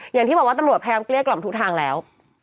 อย่างที่บอกว่าตำรวจพยายามเกลี้ยกล่อมทุกทางแล้ว